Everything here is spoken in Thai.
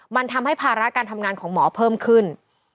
มันทำให้ภาระการทำงานของหมอเพิ่มขึ้น